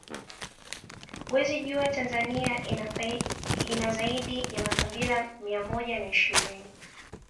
Huwezi jua Tanzania ina zaidi ya makabila mia moja na ishirini